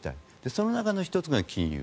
その中の１つが金融。